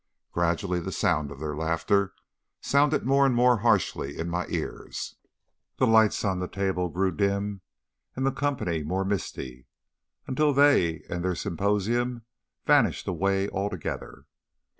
Gradually the sound of their laughter sounded more and more harshly in my ears, the lights on the table grew dim and the company more misty, until they and their symposium vanished away altogether.